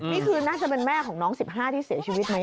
นี่คือน่าจะเป็นแม่ของน้อง๑๕ที่เสียชีวิตไหม